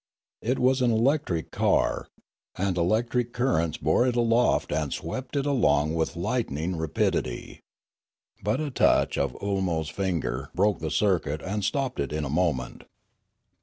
It was an electric car, and electric currents bore it aloft and swept it along with lightning rapidity. But a touch of Oolmo's finger broke the circuit and stopped it in a moment.